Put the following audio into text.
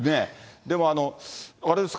でも、あれですか？